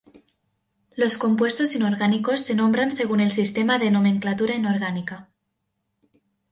Los compuestos inorgánicos se nombran según el sistema de nomenclatura inorgánica.